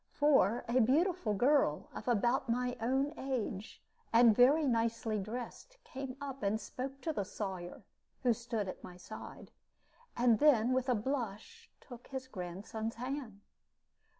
For a beautiful girl, of about my own age, and very nicely dressed, came up and spoke to the Sawyer (who stood at my side), and then, with a blush, took his grandson's hand.